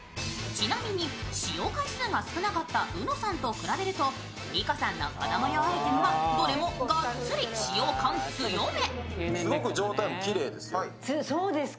ちなみに使用回数が少なかったうのさんと比べると理子さんの子供用アイテムはどれもがっつり使用感強め。